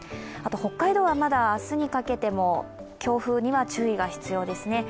北海道はまだ明日にかけても強風には注意が必要ですね。